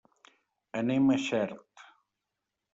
Anem a Xert.